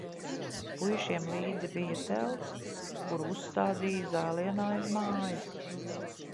Puišiem līdzi bija telts, kuru uzstādīja zālienā aiz mājas.